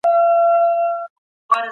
په ناحقه د چا په حق کي خیانت مه کوئ.